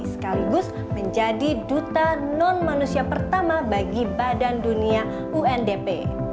sekaligus menjadi duta non manusia pertama bagi badan dunia undp